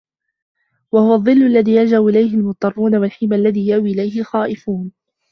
وَهُوَ الظِّلُّ الَّذِي يَلْجَأُ إلَيْهِ الْمُضْطَرُّونَ ، وَالْحِمَى الَّذِي يَأْوِي إلَيْهِ الْخَائِفُونَ